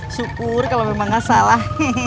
syukur kalau memang gak salah